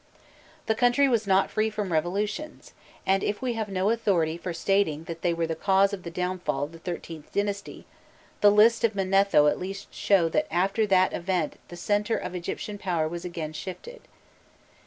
The country was not free from revolutions, and if we have no authority for stating that they were the cause of the downfall of the XIIIth dynasty, the lists of Manetho at least show that after that event the centre of Egyptian power was again shifted.